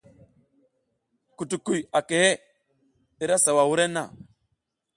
Kutukuy a kehe, i ra sawa wurenna.